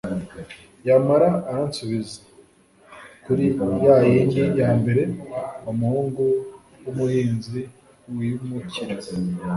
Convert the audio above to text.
yamara aransubiza Kuri ya yindi Yambere umuhungu wumuhinzi wimukira